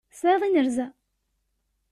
Tisεiḍ inerza?